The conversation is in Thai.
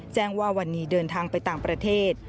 แจ้งว่าวันนี้เดินทางไปต่างประเทศ